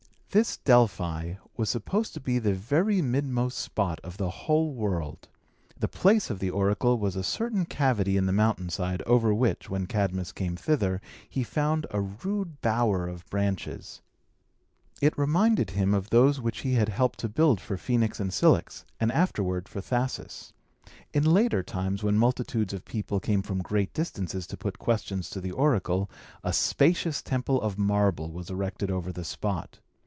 This Delphi was supposed to be the very midmost spot of the whole world. The place of the oracle was a certain cavity in the mountain side, over which, when Cadmus came thither, he found a rude bower of branches. It reminded him of those which he had helped to build for Phoenix and Cilix, and afterward for Thasus. In later times, when multitudes of people came from great distances to put questions to the oracle, a spacious temple of marble was erected over the spot.